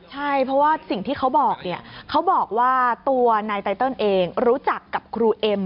ใช่เพราะว่าสิ่งที่เขาบอกเนี่ยเขาบอกว่าตัวนายไตเติลเองรู้จักกับครูเอ็ม